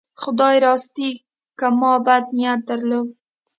خدای راستي که ما بد نیت درلود.